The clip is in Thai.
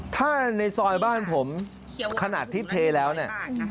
ถ้าในซอยบ้านผมขนาดที่เทแล้วเนี่ย